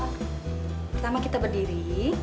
pertama kita berdiri